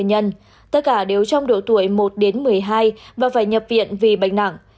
tất cả đều trong độ tuổi một một mươi hai và phải nhập viện vì bệnh nặng